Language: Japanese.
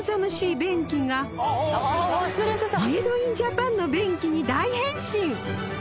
便器がメイドインジャパンの便器に大変身